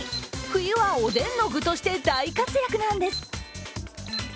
冬はおでんの具として大活躍なんです。